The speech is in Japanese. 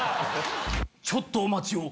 ちょっとおまちを。